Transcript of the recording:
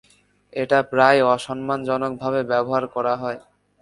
এটা প্রায়ই অসম্মানজনকভাবে ব্যবহার করা হয়।